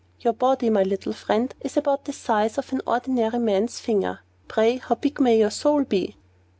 Your body, my little friend, is about the size of an ordinary man's finger. Pray, how big may your soul be?"